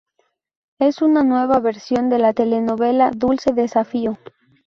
Es una nueva versión de la telenovela "Dulce desafío".